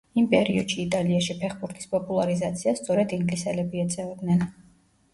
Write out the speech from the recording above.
იმ პერიოდში იტალიაში ფეხბურთის პოპულარიზაციას სწორედ ინგლისელები ეწეოდნენ.